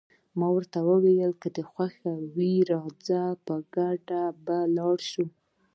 ما ورته وویل: که دې خوښه وي راځه، په ګډه به ولاړ شو.